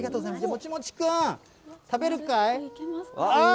もちもちくん、食べるかい？